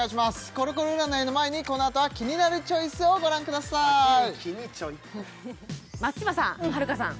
コロコロ占いの前にこの後は「キニナルチョイス」をご覧ください松嶋さん春香さん